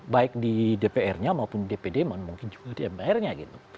baik di dprnya maupun di dpd mungkin juga di mprnya gitu